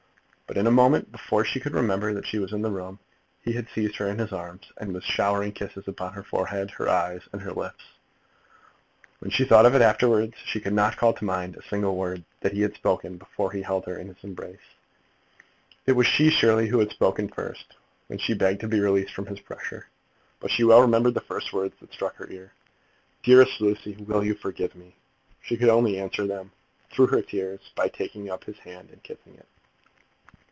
But in a moment, before she could remember that she was in the room, he had seized her in his arms, and was showering kisses upon her forehead, her eyes, and her lips. When she thought of it afterwards, she could not call to mind a single word that he had spoken before he held her in his embrace. It was she, surely, who had spoken first, when she begged to be released from his pressure. But she well remembered the first words that struck her ear. "Dearest Lucy, will you forgive me?" She could only answer them through her tears by taking up his hand and kissing it.